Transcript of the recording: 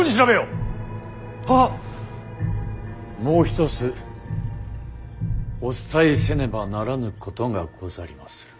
もう一つお伝えせねばならぬことがござりまする。